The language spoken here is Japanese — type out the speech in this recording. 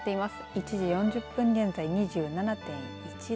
１時４０分現在２７．１度。